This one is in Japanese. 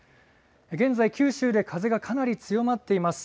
現在、九州で風がかなり強まっています。